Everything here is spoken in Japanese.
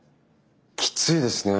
きついですね。